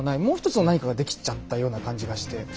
もう一つの何かができちゃったような感じがして。